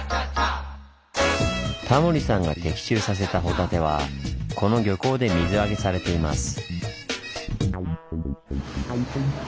タモリさんが的中させたホタテはこの漁港で水揚げされています。